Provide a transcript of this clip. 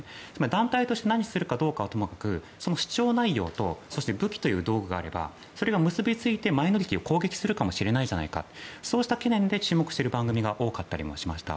団体として何をするかどうかはともかく主張内容とそして武器という道具があればそれが結びついてマイノリティーを攻撃するかもしれないじゃないかそうした懸念で注目している番組が多かったりもしました。